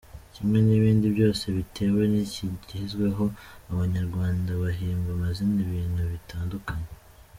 Kimwe n’ibindi byose, bitewe n’ikigezweho, Abanyarwanda bahimba amazina ibintu bitandukanye.